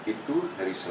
itu hari senin